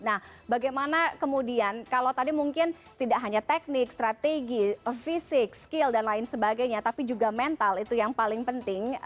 nah bagaimana kemudian kalau tadi mungkin tidak hanya teknik strategi fisik skill dan lain sebagainya tapi juga mental itu yang paling penting